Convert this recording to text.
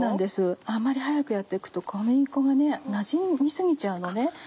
あまり早くやって行くと小麦粉がなじみ過ぎちゃうのね。